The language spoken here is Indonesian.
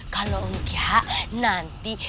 kalau enggak nanti